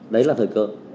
đấy là thời cơ